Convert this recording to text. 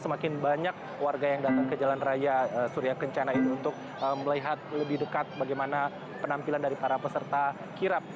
semakin banyak warga yang datang ke jalan raya surya kencana ini untuk melihat lebih dekat bagaimana penampilan dari para peserta kirap